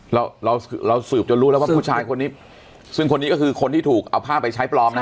เราเราสืบจนรู้แล้วว่าผู้ชายคนนี้ซึ่งคนนี้ก็คือคนที่ถูกเอาผ้าไปใช้ปลอมนะ